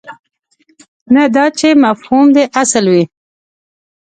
نه دا چې مفهوم دې اصل وي.